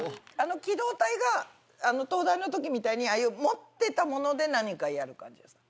機動隊が東大の時みたいに持ってたもので何かやる感じですか？